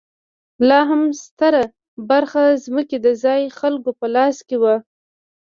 لا هم ستره برخه ځمکې د ځايي خلکو په لاس کې وه.